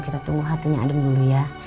kita tunggu hatinya adem dulu ya